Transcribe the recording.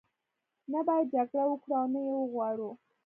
نه باید جګړه وکړو او نه یې وغواړو.